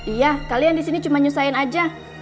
iya kalian disini cuma nyusahin aja